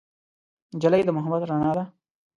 نجلۍ د محبت رڼا ده.